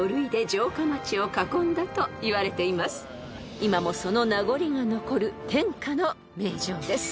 ［今もその名残が残る天下の名城です］